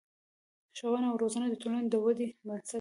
ښوونه او روزنه د ټولنې د ودې بنسټ دی.